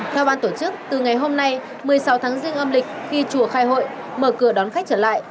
theo ban tổ chức từ ngày hôm nay một mươi sáu tháng riêng âm lịch khi chùa khai hội mở cửa đón khách trở lại